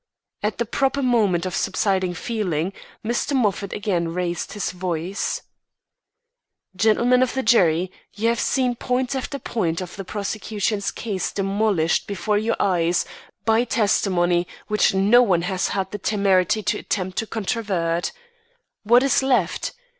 At the proper moment of subsiding feeling, Mr. Moffat again raised his voice: "Gentlemen of the jury, you have seen point after point of the prosecution's case demolished before your eyes by testimony which no one has had the temerity to attempt to controvert. What is left?